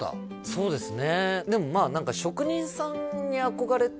そうですね